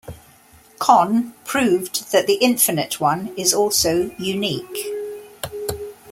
Connes proved that the infinite one is also unique.